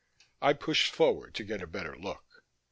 I pushed forward to get a better look.